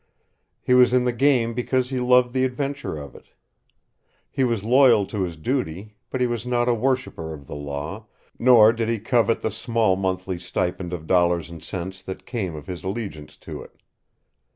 He was in the game because he loved the adventure of it. He was loyal to his duty, but he was not a worshipper of the law, nor did he covet the small monthly stipend of dollars and cents that came of his allegiance to it.